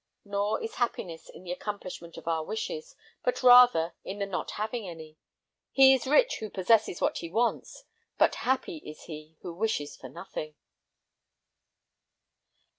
Nor is happiness in the accomplishment of our wishes, but rather in the not having any. He is rich who possesses what he wants; but happy is he who wishes for nothing.